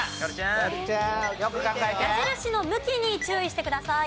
矢印の向きに注意してください。